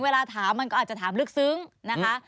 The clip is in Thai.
เวลาถามมันก็อาจจะถามลึกซึ้งนะคะ